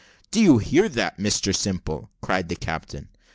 "Do you hear that, Mr Simple?" cried the captain.